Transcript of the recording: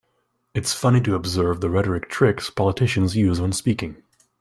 It's funny to observe the rhetoric tricks politicians use when speaking.